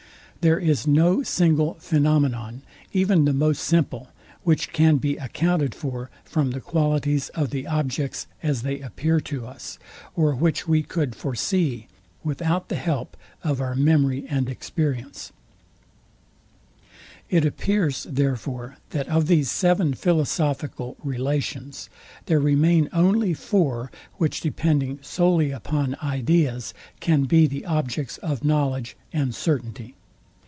There is no single phænomenon, even the most simple, which can be accounted for from the qualities of the objects, as they appear to us; or which we could foresee without the help of our memory and experience. Part I. Sect. 5. It appears, therefore, that of these seven philosophical relations, there remain only four, which depending solely upon ideas, can be the objects of knowledge and certainty.